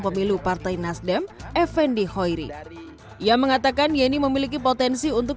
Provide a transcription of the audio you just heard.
pemilu partai nasdem effendi hoiri ia mengatakan yeni memiliki potensi untuk